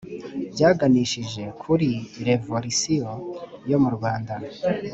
byaganishije kuri revolisiyo yo mu rwanda